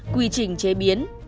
quy trình chế biến